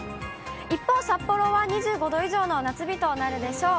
一方、札幌は２５度以上の夏日となるでしょう。